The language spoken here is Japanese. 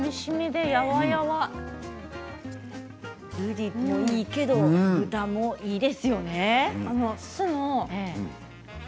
ぶりもいいけれども豚もいいですよね。